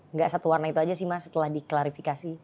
nggak satu warna itu aja sih mas setelah diklarifikasi